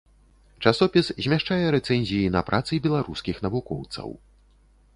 Часопіс змяшчае рэцэнзіі на працы беларускіх навукоўцаў.